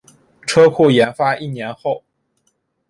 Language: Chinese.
车库研发一年后